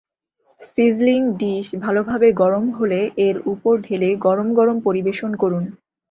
Sizzling dish ভালোভাবে গরম হলে এর ওপর ঢেলে গরমগরম পরিবেশন করুন।